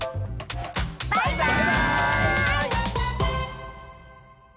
バイバーイ！